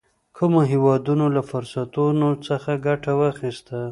کومو هېوادونو له فرصتونو څخه ګټه واخیسته.